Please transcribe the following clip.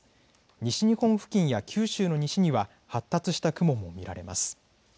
西日本付近や九州の西には発達した雲も見られます。